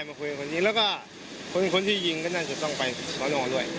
ใช่มาคุยกับคนที่ยิงแล้วก็คนที่ยิงก็นั่งจะต้องไปมานอนด้วย